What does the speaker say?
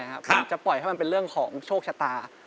อาจจะปล่อยให้มันเป็นเรื่องของโชคชะตา